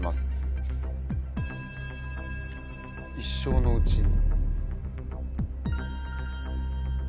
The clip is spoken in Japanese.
一生のうちに。